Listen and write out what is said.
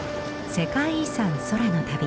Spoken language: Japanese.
「世界遺産空の旅」。